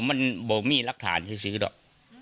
มันบอกมีรักฐานซื้อหรอก